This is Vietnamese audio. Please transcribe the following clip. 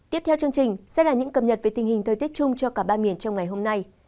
tiếp theo chương trình sẽ là những cập nhật về tình hình thời tiết chung cho cả ba miền trong ngày hôm nay